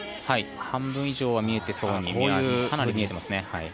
半分以上は見えてそうなかなり見えてますね。